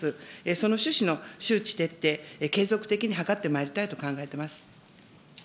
その趣旨の周知徹底、継続的に図ってまいりたいと考えています。